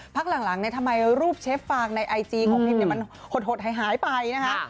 พักหลังทำไมรูปเชฟฟางในไอจีของพิมมันหดหายไปนะคะ